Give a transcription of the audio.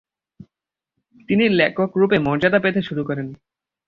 তিনি লেখকরূপে মর্যাদা পেতে শুরু করেন।